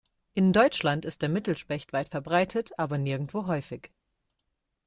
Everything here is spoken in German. In Deutschland ist der Mittelspecht weit verbreitet, aber nirgendwo häufig.